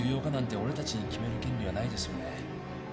俺達に決める権利はないですよね